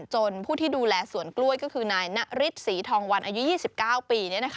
ผู้ที่ดูแลสวนกล้วยก็คือนายนฤทธิศรีทองวันอายุ๒๙ปี